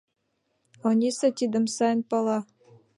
Ониса тидым сайын пала.